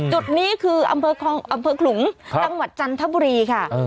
จุดนี้คืออำเภอขลุงจังหวัดจันทบุรีค่ะ